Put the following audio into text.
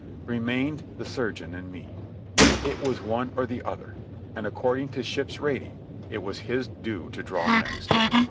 Remained the surgeon and me. It was one or the other, and, according to ship's rating, it was his due to draw next.